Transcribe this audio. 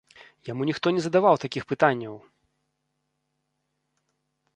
Яму ніхто не задаваў такіх пытанняў!